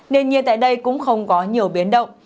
nền nhiệt tại đây cũng không có nhiều biến động